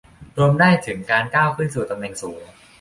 รวมได้ถึงการก้าวขึ้นสู่ตำแหน่งสูง